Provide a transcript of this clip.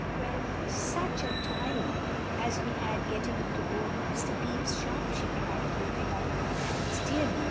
"Well, such a time as we had getting into old Mr. Beebe's shop," she cried, holding up both hands; "dear me!